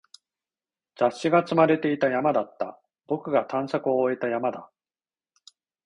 雑誌が積まれていた山だった。僕が探索を終えた山だ。